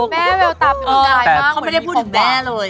แม่เวลตาเป็นคนกายมากมันไม่ได้พูดถึงแม่เลย